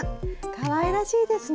かわいらしいですね。